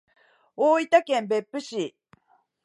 大分県別府市